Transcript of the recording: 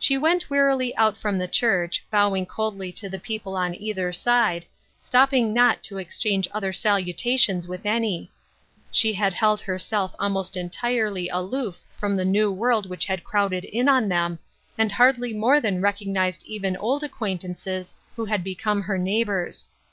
She went wearily out from the church, bowing coldly to the people on either side, stopping not to exchange other salutations with any ; she had held herself almost entirely aloof from the new world which had crowded in on them, and hardly more than recognized even old acquaintances who had become her neighbors.